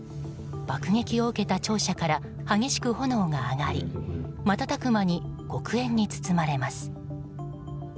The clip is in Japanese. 爆撃を受けた庁舎から激しく炎が上がり瞬く間に黒煙に包まれます。